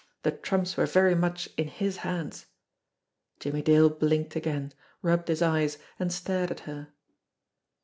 The trumps were very much in his hands ! Jimmie Dale blinked again, rubbed his eyes, and stared at her.